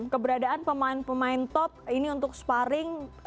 keberadaan pemain pemain top ini untuk sparring